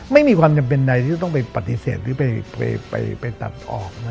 ไม่มีความจำเป็นใดที่จะต้องไปปฏิเสธหรือไปตัดออกนะ